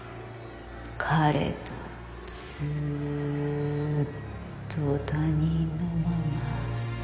彼とずっと他人のまま。